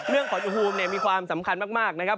เรื่องของอุปกรณ์เนี่ยมีความสำคัญมากนะครับ